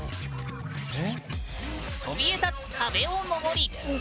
そびえ立つ壁を登り